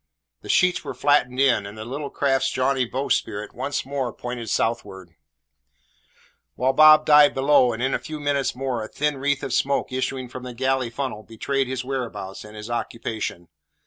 The sheets were flattened in, and the little craft's jaunty bowsprit once more pointed southward; whilst Bob dived below, and in a few minutes more a thin wreath of smoke issuing from the galley funnel betrayed his whereabouts and his occupation.